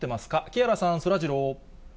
木原さん、そらジロー。